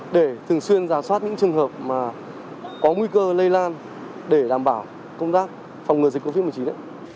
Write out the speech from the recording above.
để thường xuyên giả soát những trường hợp mà có nguy cơ lây lan để đảm bảo công tác phòng ngừa dịch covid một mươi chín